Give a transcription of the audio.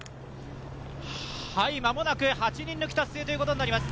間もなく８人ぬき達成ということになります。